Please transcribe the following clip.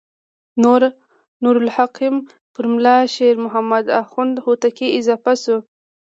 نور الحکم پر ملا شیر محمد اخوند هوتکی اضافه شو.